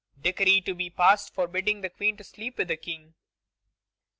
"Decree to be passed forbidding the Queen to sleep with the King."